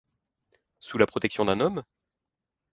sous la protection d’un homme ?